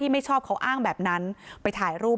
ไม่ชอบเขาอ้างแบบนั้นไปถ่ายรูป